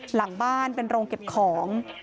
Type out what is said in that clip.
หลังบ้านเป็นโรงเก็บของ